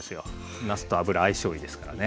なすと油相性いいですからね。